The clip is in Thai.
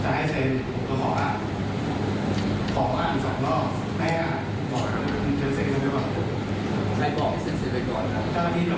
ไม่ใช่ครับคนนี้จันครับ